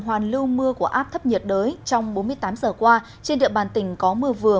hoàn lưu mưa của áp thấp nhiệt đới trong bốn mươi tám giờ qua trên địa bàn tỉnh có mưa vừa